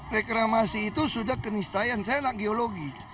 reklamasi itu sudah kenistayan saya anak geologi